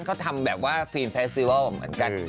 เขาทำหรืออะไรเมื่อนั้น